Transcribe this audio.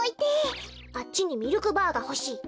あっちにミルクバーがほしい。